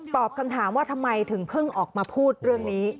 คำถามว่าทำไมถึงเพิ่งออกมาพูดเรื่องนี้